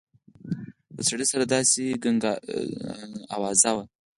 د سړي سر داسې ګنګساوه.